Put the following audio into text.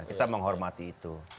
kita menghormati itu